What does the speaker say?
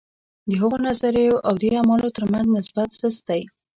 د هغو نظریو او دې اعمالو ترمنځ نسبت سست دی.